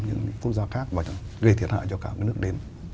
những quốc gia khác mà gây thiệt hại cho cả cái nước đến